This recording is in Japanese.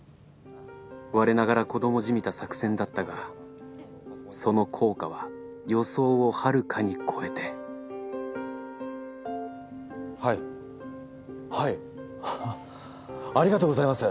我ながら子どもじみた作戦だったがその効果は予想をはるかに超えてはいはい。ありがとうございます！